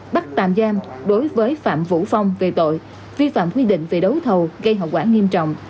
bắt tạm giam đối với phạm vũ phong về tội vi phạm quy định về đấu thầu gây hậu quả nghiêm trọng